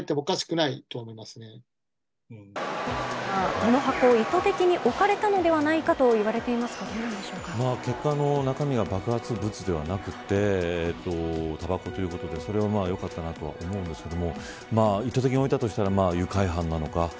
この箱は意図的に置かれたのではないかと中身は爆発物ではなくてたばこということでそれはよかったと思うんですけど意図的に置いたとしたら愉快犯なのか。